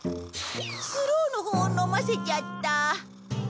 スローのほうを飲ませちゃった。